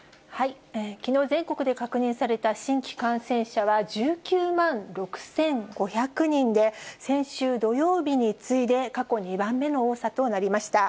きのう、全国で確認された新規感染者は、１９万６５００人で、先週土曜日に次いで過去２番目の多さとなりました。